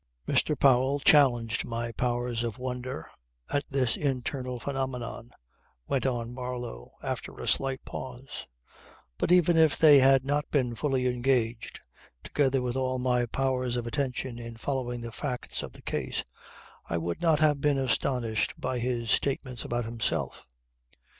"Mr. Powell challenged my powers of wonder at this internal phenomenon," went on Marlow after a slight pause. "But even if they had not been fully engaged, together with all my powers of attention in following the facts of the case, I would not have been astonished by his statements about himself.